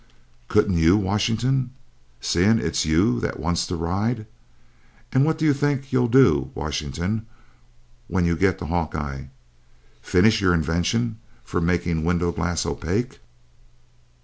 "Couldn't you, Washington seeing it's you that wants the ride? And what do you think you'll do, Washington, when you get to Hawkeye? Finish your invention for making window glass opaque?"